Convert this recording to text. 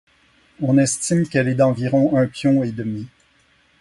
On estime qu'elle est d'environ un pion et demi.